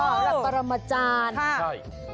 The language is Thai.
โอ้โหลักษรรมจารย์